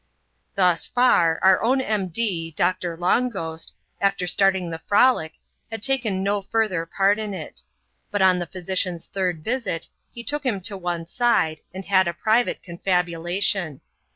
Thus far, our own M.D., Doctor Long Ghost, after starting the frolic, had taken no further part in it ; but on the physician's third visit, he took him to one side, and had a private confabula ' tion.